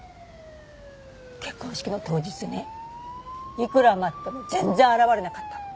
結婚式の当日ねいくら待っても全然現れなかったの。